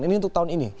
ini untuk tahun ini